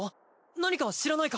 何か知らないか？